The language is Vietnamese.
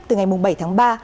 từ ngày bảy tháng ba